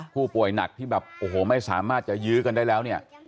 ผู้ป่วยหนักที่แบบไม่สามารถจะยื้อกันได้แล้ว